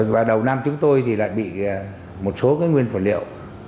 và đầu năm chúng tôi thì lại bị một số cái nguyên vật liệu